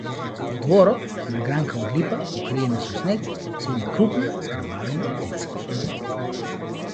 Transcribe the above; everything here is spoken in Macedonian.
Во дворот, на гранка од липа, покриена со снег, седи крупна, згрбавена птица.